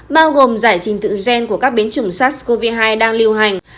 bao gồm giải trình tự gen của các biến chủng sars cov hai đang lưu hành